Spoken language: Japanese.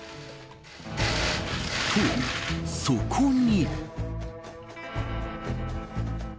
と、そこに。